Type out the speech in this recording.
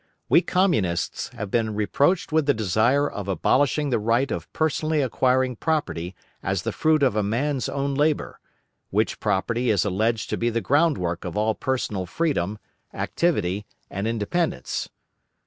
We Communists have been reproached with the desire of abolishing the right of personally acquiring property as the fruit of a man's own labour, which property is alleged to be the groundwork of all personal freedom, activity and independence.